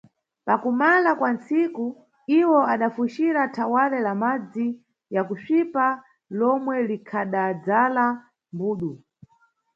Pakumala kwa ntsiku iwo adafucira thawale la madzi ya kusvipa lomwe likhadadzala mbudu.